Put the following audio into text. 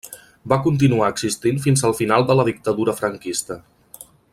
Va continuar existint fins al final de la dictadura franquista.